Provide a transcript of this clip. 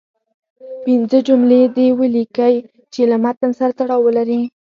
پنځه جملې دې ولیکئ چې له متن سره تړاو ولري.